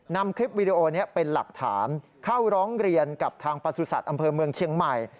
นำคลิปวีดีโอนี้เป็นหลักฐานเข้าร้องเรียนกับทางประสุทธิ์อำเภอเมืองเชียงใหม่